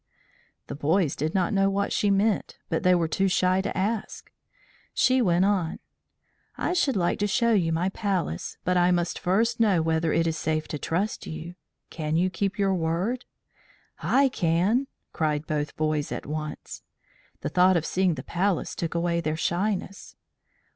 The boys did not know what she meant, but they were too shy to ask. She went on: "I should like to show you my Palace, but I must first know whether it is safe to trust you. Can you keep your word?" "I can!" cried both boys at once. The thought of seeing the Palace took away their shyness.